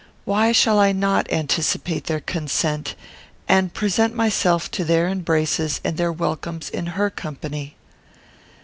Why shall I not anticipate their consent, and present myself to their embraces and their welcomes in her company?"